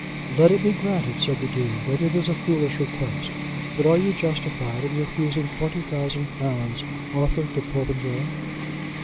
"Let it be granted," said the Dean, "that it is a foolish request; but are you justified in refusing twenty thousand pounds offered to Popenjoy?"